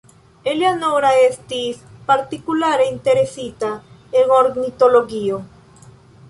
Eleanora estis partikulare interesita en ornitologio.